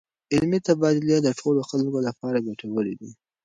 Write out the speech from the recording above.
علمي تبادلې د ټولو خلکو لپاره ګټورې دي.